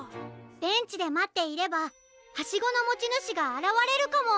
ベンチでまっていればハシゴのもちぬしがあらわれるかも！